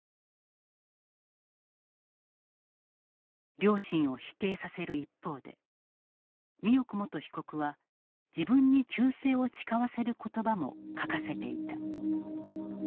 両親を否定させる一方で美代子元被告は自分に忠誠を誓わせる言葉も書かせていた。